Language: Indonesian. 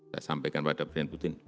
saya sampaikan pada presiden putin